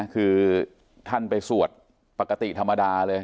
คือท่านไปสวดปกติธรรมดาเลย